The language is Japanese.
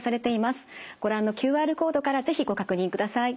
ご覧のＱＲコードから是非ご確認ください。